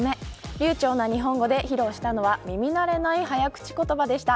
流ちょうな日本語で披露したのは耳慣れない早口言葉でした。